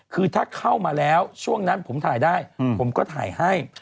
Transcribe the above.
คือถ้าเข้ามาแล้วช่วงนั้นผมถ่ายได้ผมก็ถ่ายให้